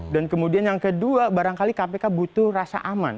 dan kemudian yang kedua barangkali kpk butuh rasa aman